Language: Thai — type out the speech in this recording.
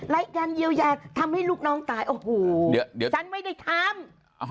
ไร้การยาวแยกทำให้ลูกน้องตายโอ้โหเดี๋ยวเดี๋ยวฉันไม่ได้ทำ